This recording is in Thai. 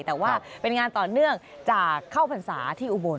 แต่ว่าเป็นงานต่อเนื่องจากเข้าพรรษาที่อุบล